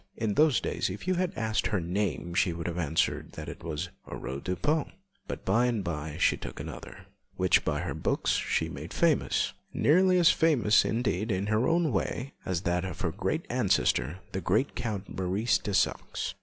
In those days if you had asked her name she would have answered that it was 'Aurore Dupin'; but by and bye she took another, which by her books she made famous nearly as famous, indeed, in its own way as that of her great ancestor, the general Count Maurice de Saxe.